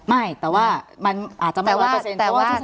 ไม่แต่ว่ามันอาจจะมา๑๐๐เพราะว่าจะสนับมามัน๑๐๐